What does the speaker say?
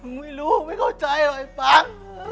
ไม่รู้มึงไม่เข้าใจหรอกไอ้ปั๊ก